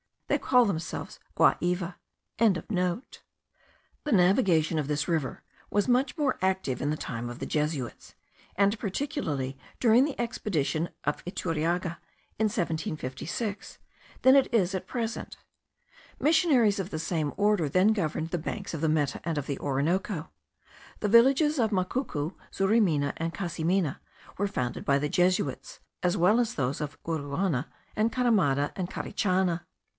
They call themselves Gua iva.) The navigation of this river was much more active in the time of the Jesuits, and particularly during the expedition of Iturriaga, in 1756, than it is at present. Missionaries of the same order then governed the banks of the Meta and of the Orinoco. The villages of Macuco, Zurimena, and Casimena, were founded by the Jesuits, as well as those of Uruana, Encaramada, and Carichana.